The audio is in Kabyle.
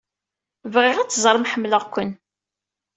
Bɣiɣ ad teẓrem ḥemmleɣ-ken.